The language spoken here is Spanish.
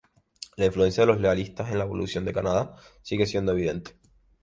La influencia de los Lealistas en la evolución de Canadá sigue siendo evidente.